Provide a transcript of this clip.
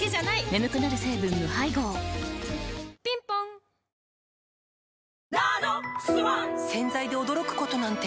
眠くなる成分無配合ぴんぽん洗剤で驚くことなんて